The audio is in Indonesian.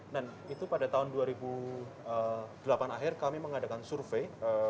nah itu pada tahun dua ribu delapan akhir kami mengadakan survei